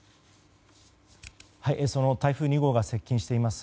その台風２号が接近しています